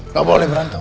nggak boleh berantem